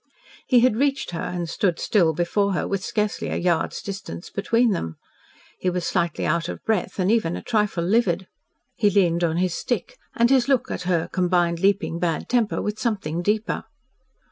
He had reached her, and stood still before her with scarcely a yard's distance between them. He was slightly out of breath and even a trifle livid. He leaned on his stick and his look at her combined leaping bad temper with something deeper.